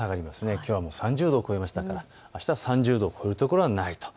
きょうは３０度を超えましたからあすは３０度を超えるところはないと。